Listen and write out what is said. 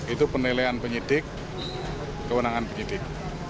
itu penilaian penyidik kewenangan penyidik